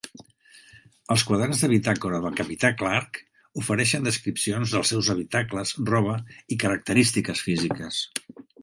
Els quaderns de bitàcola del capità Clark ofereixen descripcions dels seus habitacles, roba i característiques físiques.